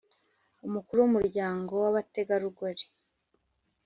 Umukuru w Umuryango w Abategarugori